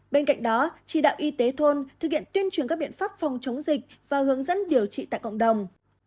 bên cạnh đó chỉ đạo y tế thôn thực hiện tuyên truyền các biện pháp phòng chống dịch và hướng dẫn điều trị tại cộng đồng